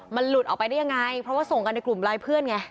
มันหลุดออกไปได้ยังไงเพราะว่าส่งกันในกลุ่มไลน์เพื่อนไง